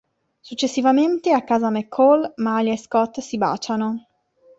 Successivamente, a casa McCall, Malia e Scott si baciano.